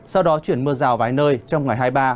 sau đó chuyển mưa rào vài nơi trong ngày hai mươi ba